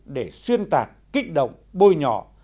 để xuyên tạc kích động bôi nhọ